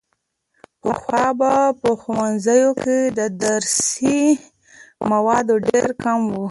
پخوا به په ښوونځیو کې د درسي موادو ډېر کمی و.